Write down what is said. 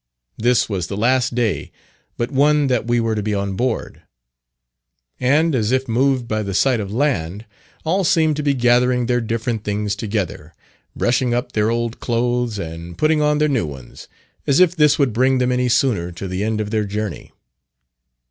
This was the last day but one that we were to be on board; and as if moved by the sight of land, all seemed to be gathering their different things together brushing up their old clothes and putting on their new ones, as if this would bring them any sooner to the end of their journey.